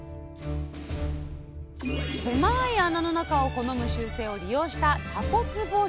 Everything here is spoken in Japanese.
狭い穴の中を好む習性を利用したたこつぼ漁。